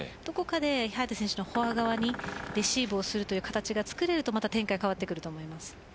早田選手のフォア側にレシーブをするという形ができると展開が変わってくると思います。